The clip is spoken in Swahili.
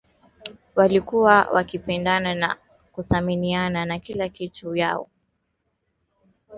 walikuwa wakipendana na kuthaminiana na kuna vitu Waha waliwafundisha wamanyema na pia kunapamoja